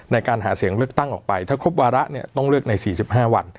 ในการหาเสียงเลือกตั้งออกไปถ้าครบวาระเนี่ยต้องเลือกใน๔๕วัน